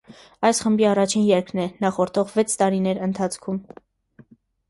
Այն խմբի առաջին երգն է՝ նախորդող վեց տարիներ ընթացքում։